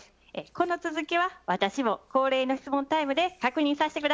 この続きは私も恒例の質問タイムで確認させて下さい。